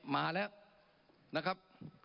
มาแล้วนะครับ